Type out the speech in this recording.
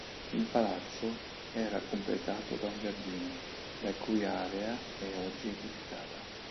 Il palazzo era completato da un giardino, la cui area è oggi edificata.